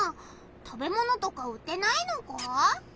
食べ物とか売ってないのか？